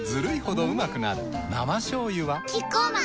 生しょうゆはキッコーマン